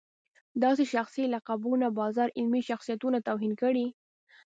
داسې شخصي لقبونو بازار علمي شخصیتونو توهین کړی.